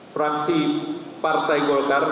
fraksi partai golkar